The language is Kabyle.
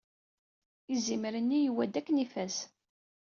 Izimer-nni yewwa-d akken ifaz.